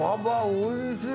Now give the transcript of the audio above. おいしい。